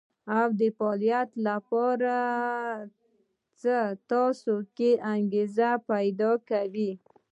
او د فعاليت لپاره څه تاسې کې انګېزه پيدا کوي.